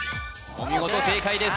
お見事正解です